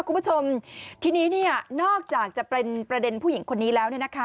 คุณผู้ชมทีนี้นอกจากจะเป็นประเด็นผู้หญิงคนนี้แล้ว